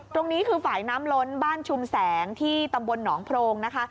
ตรงนี้คือฝ่ายน้ำล้นบ้านชุมแสงที่ตำบลหนองโพรงนะคะ